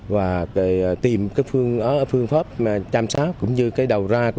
và tìm phương pháp chăm sóc cũng như đầu ra